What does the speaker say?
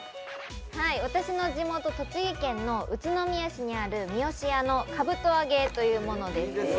私の地元・栃木県の宇都宮市にあるみよしやのかぶと揚げというものです。